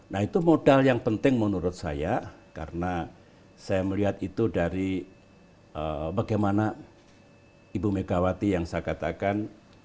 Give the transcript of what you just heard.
nah itu modal yang penting menurut saya karena saya melihat itu dari bagaimana ibu megawati yang saya katakan